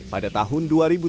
pada tahun dua ribu tujuh belas